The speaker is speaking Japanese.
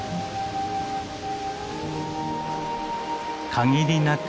限りなく